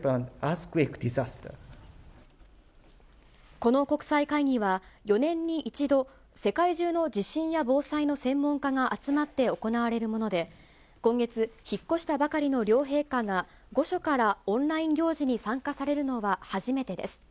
この国際会議は、４年に１度、世界中の地震や防災の専門家が集まって行われるもので、今月引っ越したばかりの両陛下が御所からオンライン行事に参加されるのは初めてです。